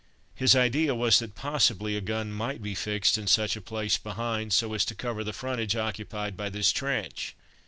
His idea was that possibly a gun might be fixed in such a place behind so as to cover the frontage occupied by this trench.